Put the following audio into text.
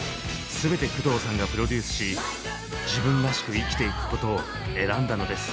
すべて工藤さんがプロデュースし自分らしく生きていくことを選んだのです。